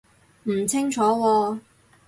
唔清楚喎